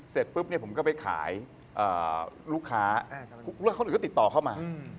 เสร็จปุ๊บผมก็ไปขายลูกค้าเขาก็ติดต่อเข้ามา